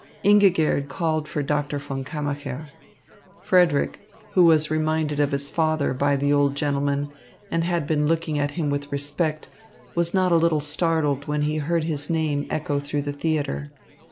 Ingigerd called for Doctor von Kammacher. Frederick, who was reminded of his father by the old gentleman and had been looking at him with respect, was not a little startled when he heard his name echo through the theatre.